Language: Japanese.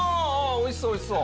おいしそうおいしそう！